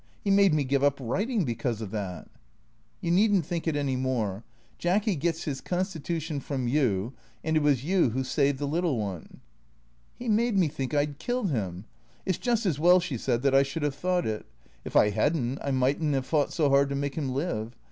He made me give up writing because of that." " You need n't think it any more. Jacky gets his constitution from you, and it was you who saved the little one." " He made me think I 'd killed him. It 's just as well," she said, " that I should have thought it. If I had n't I might n't have fought so hard to make him live.